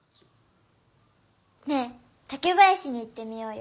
ねえ竹林に行ってみようよ。